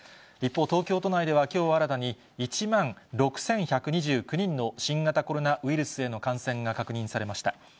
一方、東京都内ではきょう新たに１万６１２９人の新型コロナウイルスへの感染が確認されました。